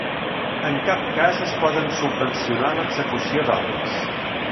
En cap cas es poden subvencionar l'execució d'obres.